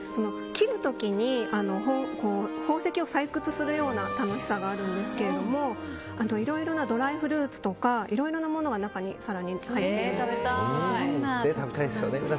切る時に宝石を採掘するような楽しさがあるんですけどもいろいろなドライフルーツとかいろいろなものが更に中に入っているんです。